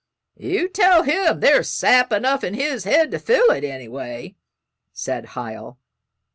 "You tell him there's sap enough in his head to fill it, anyway," said Hiel.